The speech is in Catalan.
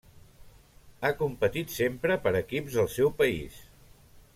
Ha competit sempre per equips del seu país.